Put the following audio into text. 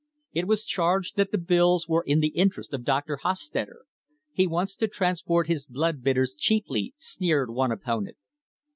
It was charged that the bills were in the interest of Dr. Hos tetter. He wants to transport his blood bitters cheaply, sneered one opponent!